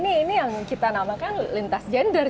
jadi ini yang kita namakan lintas gender